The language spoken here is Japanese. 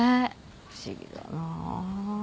不思議だなぁ。